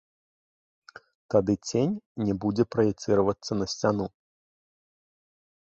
Тады цень не будзе праецыравацца на сцяну.